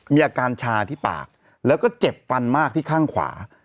มีอาการชาที่ปากแล้วก็เจ็บฟันมากที่ข้างขวา